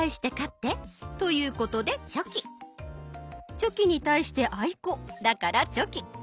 チョキに対してあいこだからチョキ。